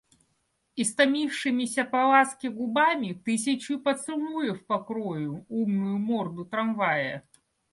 Истомившимися по ласке губами тысячью поцелуев покрою умную морду трамвая.